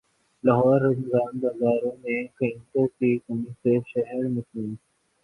لاہور رمضان بازاروں میں قیمتوں کی کمی سے شہری مطمئین